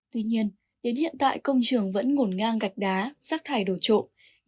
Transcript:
tuy nhiên đến hiện tại công trường vẫn ngổn ngang gạch đá sắc thải đổ trộn